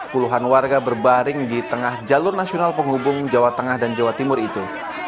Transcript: puluhan warga berbaring di tengah jalur nasional penghubung jawa tengah dan jawa timur itu